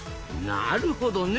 なるほどね。